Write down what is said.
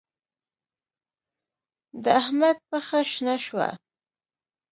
د احمد پښه شنه شوه.